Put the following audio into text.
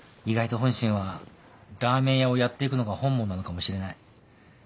意外と本心はラーメン屋をやっていくのが本望なのかもしれない。